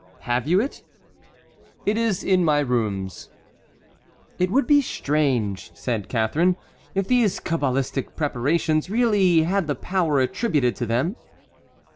"Have you it?" "It is in my rooms." "It would be strange," said Catharine, "if these cabalistic preparations really had the power attributed to them."